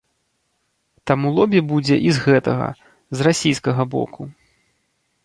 Таму лобі будзе і з гэтага, з расійскага боку.